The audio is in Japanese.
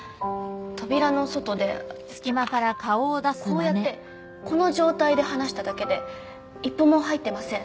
扉の外でえっとこうやってこの状態で話しただけで一歩も入ってません。